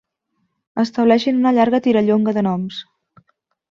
Estableixin una llarga tirallonga de noms.